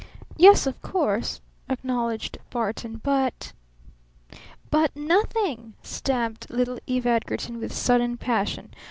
"Yes, of course," acknowledged Barton. "But " "But NOTHING!" stamped little Eve Edgarton with sudden passion.